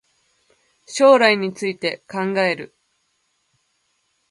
将来について考える